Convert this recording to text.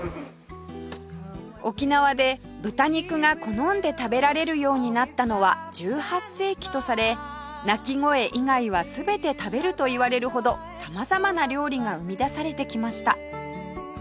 沖縄で豚肉が好んで食べられるようになったのは１８世紀とされ鳴き声以外は全て食べるといわれるほど様々な料理が生み出されてきました